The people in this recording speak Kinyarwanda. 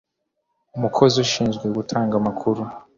Umukozi ushinzwe gutanga amakuru